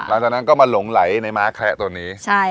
หลังจากนั้นก็มาหลงไหลในม้าแคละตัวนี้